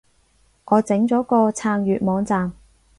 我整咗個撐粵網站